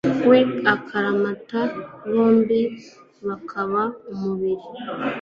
we akaramata, bombi bakaba umubiri